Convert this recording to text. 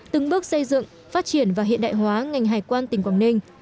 từng bước xây dựng phát triển và hiện đại hóa ngành hải quan tỉnh quảng ninh